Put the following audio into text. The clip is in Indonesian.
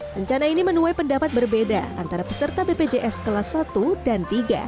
rencana ini menuai pendapat berbeda antara peserta bpjs kelas satu dan tiga